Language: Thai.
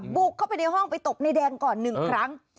บุกเข้าไปในห้องไปตบนายแดงก่อนหนึ่งครั้ง